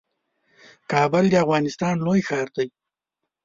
کابل د افغانستان لوی ښار دئ